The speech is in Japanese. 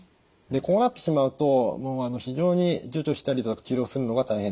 でこうなってしまうともう非常に除去したり治療するのが大変です。